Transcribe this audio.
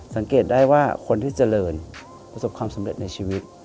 สังเกตได้ว่าคนที่เจริญประสบความสำเร็จในชีวิต